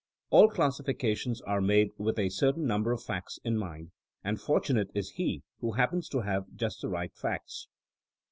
All classifications are made with a certain number of facts in mind, and fortunate is he who happens to have just the right facts.